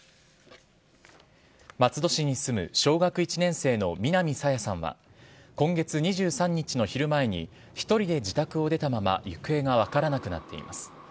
松戸市に住む小学１年生の南朝芽さんは、今月２３日の昼前に、１人で自宅を出たまま行方が分からなくなっています。